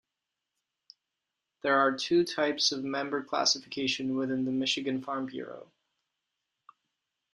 There are two types of member classification within the Michigan Farm Bureau.